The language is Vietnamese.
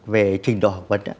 về trình độ học vấn